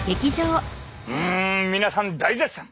うん皆さん大絶賛！